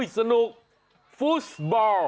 สนุกฟูสบาล